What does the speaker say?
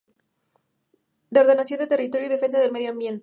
De Ordenación del Territorio y Defensa del Medio Ambiente.